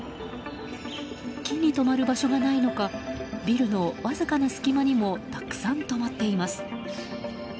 木にとまる場所がないのかビルのわずかな隙間にもたくさん、とまっています。